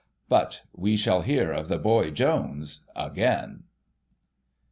But we shall hear of THE BOY JONES again.